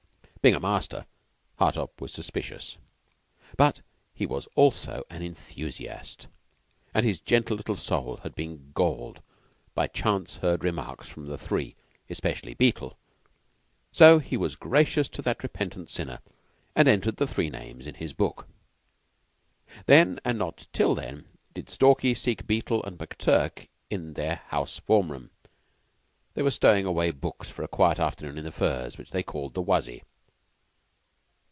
Being a master, Hartopp was suspicious; but he was also an enthusiast, and his gentle little soul had been galled by chance heard remarks from the three, and specially Beetle. So he was gracious to that repentant sinner, and entered the three names in his book. Then, and not till then, did Stalky seek Beetle and McTurk in their house form room. They were stowing away books for a quiet afternoon in the furze, which they called the "wuzzy."